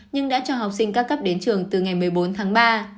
nhưng đã cho học sinh các cấp đến trường từ ngày một mươi bốn tháng ba